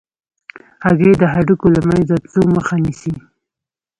هګۍ د هډوکو له منځه تلو مخه نیسي.